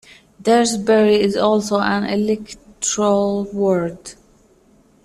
Daresbury is also an electoral ward.